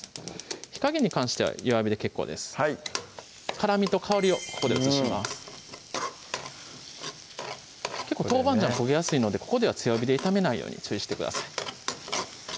火加減に関しては弱火で結構ですはい辛みと香りをここで移します結構豆板醤焦げやすいのでここでは強火で炒めないように注意してください